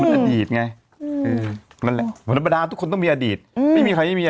แล้วลองจิตแล้วไปนั่งดูขนหน้าอกกะเทย